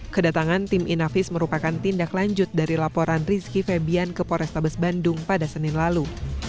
kedatangan tim inafis merupakan tindak lanjut dari laporan rizki febian ke pores tabas bandung pada senin lalu